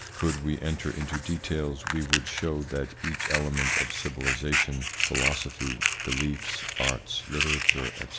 Could we enter into details, we would show that each element of civilisation philosophy, beliefs, arts, literature, etc.